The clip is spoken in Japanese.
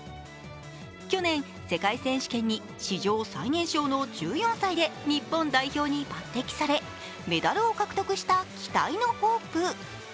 去年、世界選手権に史上最年少の１４歳で日本代表に抜てきされメダルを獲得した期待のホープ。